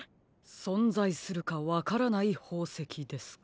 そんざいするかわからないほうせきですか。